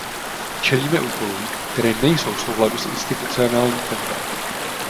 Čelíme úkolům, které nejsou v souladu s institucionálním tempem.